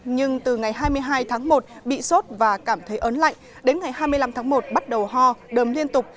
nhưng từ ngày hai mươi hai tháng một bị sốt và cảm thấy ớn lạnh đến ngày hai mươi năm tháng một bắt đầu ho đờm liên tục